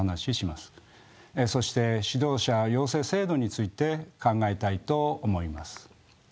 そして指導者養成制度について考えたいと思います。